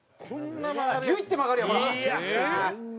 「ギュイって曲がるやんほら！」